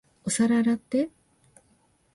お皿洗って。